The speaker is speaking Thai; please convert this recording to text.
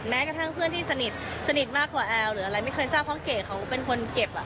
แม้กระทั่งเพื่อนที่สนิทสนิทมากกว่าแอลหรืออะไรไม่เคยทราบเพราะเก๋เขาเป็นคนเก็บ